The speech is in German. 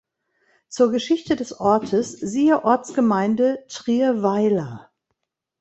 Zur Geschichte des Ortes siehe Ortsgemeinde „Trierweiler“.